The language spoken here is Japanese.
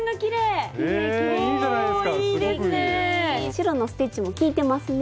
白のステッチもきいてますね。